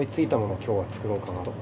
今日は作ろうかなと。